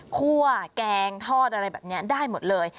ั่วแกงทอดอะไรแบบนี้ได้หมดเลย